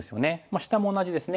下も同じですね。